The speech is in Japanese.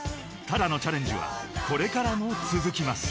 ［Ｔａｒａのチャレンジはこれからも続きます］